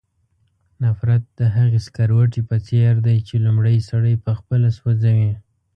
نفرت د هغې سکروټې په څېر دی چې لومړی سړی پخپله سوځوي.